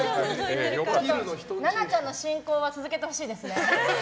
奈々ちゃんの進行は続けてほしいですね。